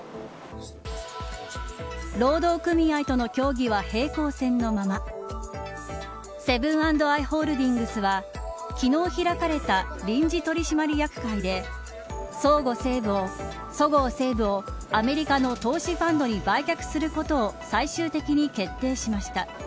労働組合との協議は平行線のままセブン＆アイ・ホールディングスは昨日開かれた臨時取締役会でそごう・西武をアメリカの投資ファンドに売却することを最終的に決定しました。